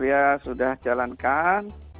ya sudah jalankan